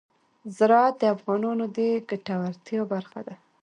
زراعت د افغانانو د ګټورتیا برخه ده.